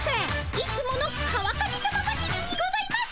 いつもの川上さま走りにございます。